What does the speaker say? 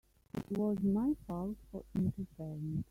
It was my fault for interfering.